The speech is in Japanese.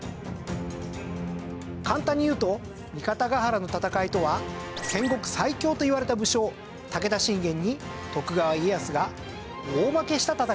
簡単に言うと三方ヶ原の戦いとは戦国最強といわれた武将武田信玄に徳川家康が大負けした戦いです。